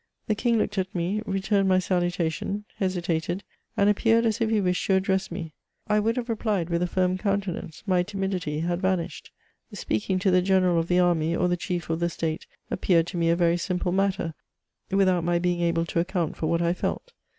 The king looked at me, returned my saluta tion, hesitated, and appeared as if he wished' to address me. I would have replied with a firm countenance, — ^my timidity had vanished. Speaking to the general of the army, or the chief of the state, appeared to me a very simple matter, with out my being able to account for what I felt.